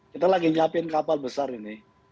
kita lagi nyiapin kapal besar ini